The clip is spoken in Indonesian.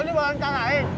lo di bawah angkang aja